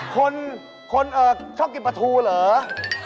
คนชอบกินปลาทูเหรอ